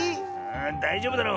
だいじょうぶだろ。